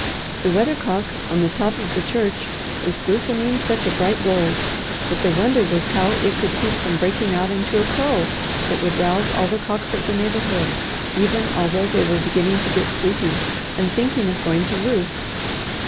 The weathercock on the top of the church was glistening such a bright gold, that the wonder was how it could keep from breaking out into a crow that would rouse all the cocks of the neighbourhood, even although they were beginning to get sleepy, and thinking of going to roost.